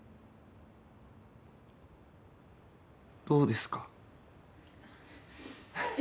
どうですか？